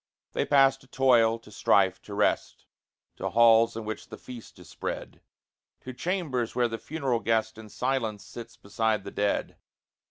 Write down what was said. They pass to toil, to strife, to rest To halls in which the feast is spread To chambers where the funeral guest In silence sits beside the dead.